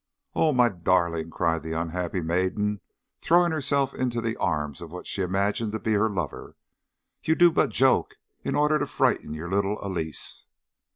"Oh, my darling!" cried the unhappy maiden, throwing herself into the arms of what she imagined to be her lover, "you do but joke in order to frighten your little Elise."